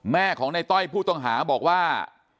แม่ของในต้อยผู้ต้องหาบอกว่า